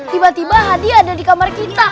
tiba tiba hadi ada di kamar kita